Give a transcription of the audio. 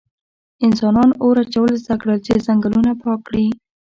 انسانان اور اچول زده کړل چې ځنګلونه پاک کړي.